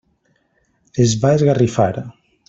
Es va esgarrifar.